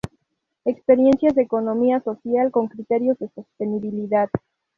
experiencias de economía social con criterios de sostenibilidad